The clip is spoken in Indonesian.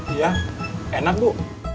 iya enak bu